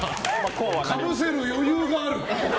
かぶせる余裕がある。